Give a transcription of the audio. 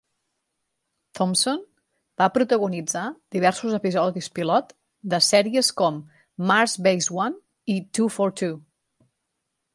Thompson va protagonitzar diversos episodis pilot de sèries com "Mars Base One" i "Two for Two".